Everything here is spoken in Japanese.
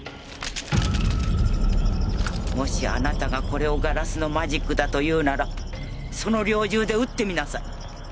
もしあなたがこれをガラスのマジックだと言うならその猟銃で撃ってみなさい。